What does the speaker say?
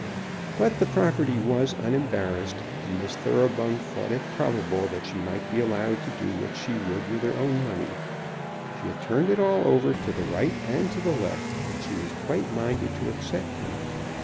But the property was unembarrassed, and Miss Thoroughbung thought it probable that she might be allowed to do what she would with her own money. She had turned it all over to the right and to the left, and she was quite minded to accept him.